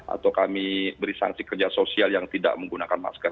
atau kami beri sanksi kerja sosial yang tidak menggunakan masker